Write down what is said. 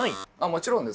もちろんです。